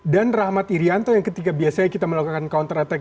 dan rahmat irianto yang ketika biasanya kita melakukan counter attack